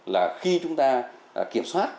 là khi chúng ta kiểm soát